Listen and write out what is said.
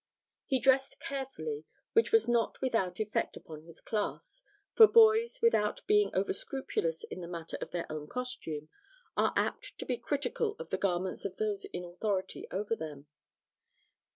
He dressed carefully, which was not without effect upon his class, for boys, without being overscrupulous in the matter of their own costume, are apt to be critical of the garments of those in authority over them.